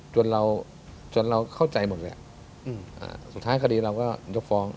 เราจนเราเข้าใจหมดเลยสุดท้ายคดีเราก็ยกฟ้อง